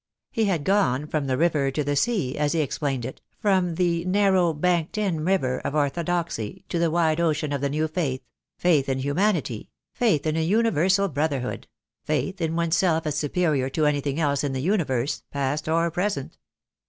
He had gone from the river to the sea, as he explained it, from the narrow banked in river of orthodoxy to the 2 10 THE DAY WILL COME. wide ocean of the new faith — faith in humanity — faith in a universal brotherhood — faith in one's self as superior to anything else in the universe, past or present.